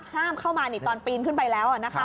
ห้ามเข้ามาตอนปีนขึ้นไปแล้ว